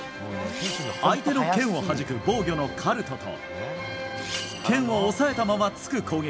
相手の剣をはじく防御のカルトと剣を押さえたまま突く攻撃